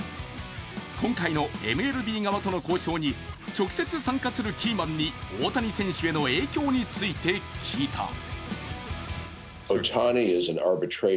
今回のＭＬＢ側との交渉に直接参加するキーマンに大谷選手への影響について聞いた。